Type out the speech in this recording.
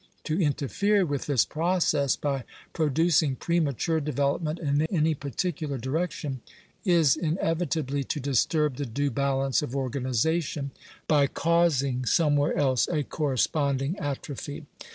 To interfere with this process by producing pfemafcure development in any particular direction is inevitably to disturb the due balance of organization, by causing somewhere else a corresponding atrophy.